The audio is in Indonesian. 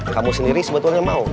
kamu sendiri sebetulnya mau